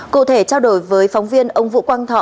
cụ thể trao đổi với phóng viên ông vũ quang thọ